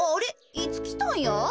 いつきたんや？